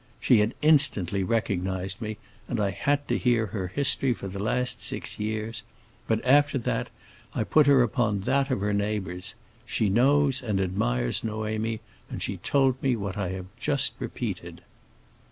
She had instantly recognized me, and I had to hear her history for the last six years. But after that, I put her upon that of her neighbors. She knows and admires Noémie, and she told me what I have just repeated."